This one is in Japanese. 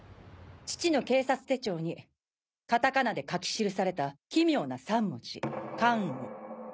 父の警察手帳に片仮名で書き記された奇妙な３文字「カンオ」。